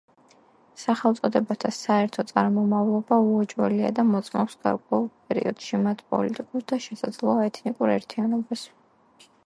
სახელწოდებათა საერთო წარმომავლობა უეჭველია და მოწმობს გარკვეულ პერიოდში მათ პოლიტიკურ და შესაძლოა, ეთნიკურ ერთიანობას.